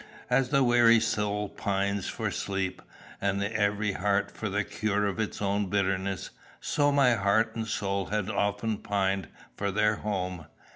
As the weary soul pines for sleep, and every heart for the cure of its own bitterness, so my heart and soul had often pined for their home.